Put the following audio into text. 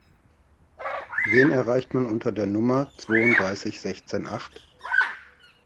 Wen erreicht man unter der Nummer zwounddreißig sechzehn acht?